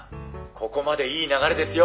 ここまでいい流れですよ。